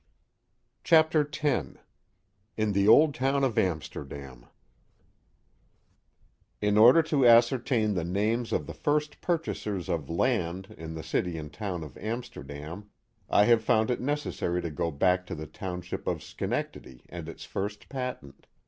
Chapter X In the Old Town of Amsterdam IN order to ascertain the names of the first purchasers of land in the city and town of Amsterdam I have found it necessary to go back to the township of Schenectady and its first patent.